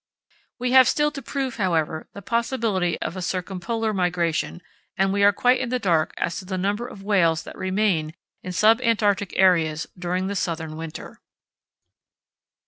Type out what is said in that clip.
We have still to prove, however, the possibility of a circumpolar migration, and we are quite in the dark as to the number of whales that remain in sub Antarctic areas during the Southern winter.